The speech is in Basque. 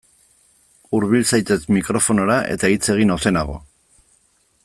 Hurbil zaitez mikrofonora eta hitz egin ozenago.